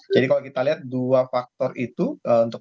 jadi kalau kita lihat